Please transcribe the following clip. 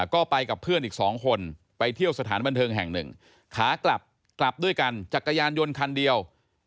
ก็ไปกับเพื่อนอีก๒คนไปเที่ยวสถานบันเทิงแห่งหนึ่งขากลับกลับด้วยกันจักรยานยนต์คันเดียว